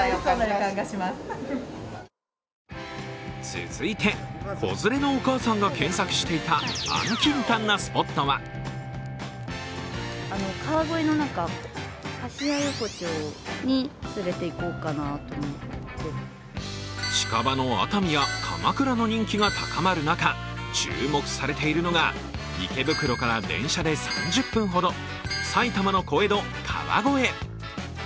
続いて、子連れのお母さんが検索していた安・近・短なスポットは近場の熱海や鎌倉の人気が高まる中、注目されているのが池袋で電車で３０分ほど、埼玉の小江戸・川越。